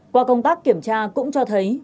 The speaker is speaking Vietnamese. qua công tác kiểm tra cũng cho thấy